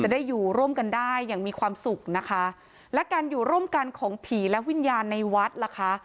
ได้อยู่ร่วมกันได้อย่างมีความสุขนะคะและการอยู่ร่วมกันของผีและวิญญาณในวัดล่ะคะ